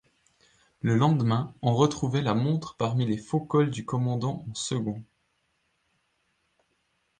Le lendemain on retrouvait la montre parmi les faux-cols du commandant en second.